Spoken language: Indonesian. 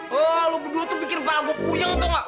wah lo berdua tuh pikir kepala gue puyeng atau enggak